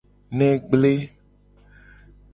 Ne gble.